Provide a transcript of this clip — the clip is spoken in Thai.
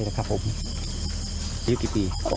ยุคกี่ปี